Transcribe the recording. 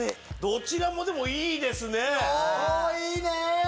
どちらもいいですね！